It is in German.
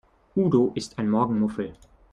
Udo ist ein Morgenmuffel.